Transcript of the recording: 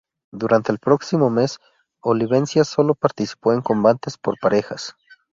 Durante el próximo mes, Olivencia sólo participó en combates por parejas.